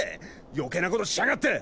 余計なことしやがって！